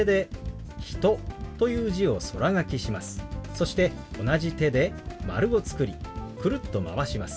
そして同じ手で丸を作りくるっとまわします。